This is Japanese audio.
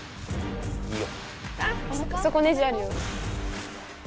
・いいよ。